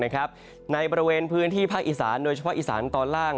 ในบริเวณพื้นที่ภาคอีสานโดยเฉพาะอีสานตอนล่าง